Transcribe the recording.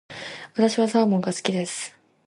私はサーモンが好きです。